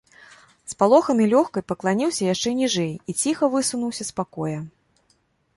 Спалоханы лёкай пакланіўся яшчэ ніжэй і ціха высунуўся з пакоя.